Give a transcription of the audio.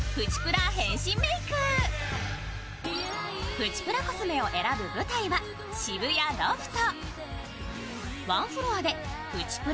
プチプラコスメを選ぶ舞台は渋谷ロフト。